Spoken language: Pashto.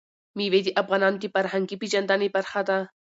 مېوې د افغانانو د فرهنګي پیژندنې برخه ده.